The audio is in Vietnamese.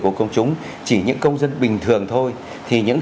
của công chúng chỉ những công dân bình thường thôi thì những